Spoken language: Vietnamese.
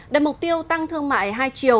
đặt mục tiêu tăng thương mại hai triệu